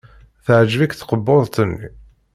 Teɛjeb-ik tkebbuḍt-nni?